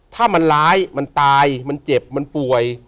ถ้ามันร้ายมันตายมันเจ็บมันป่วย